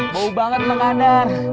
bau banget mengandar